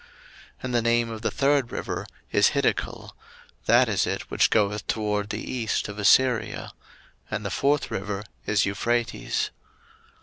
01:002:014 And the name of the third river is Hiddekel: that is it which goeth toward the east of Assyria. And the fourth river is Euphrates.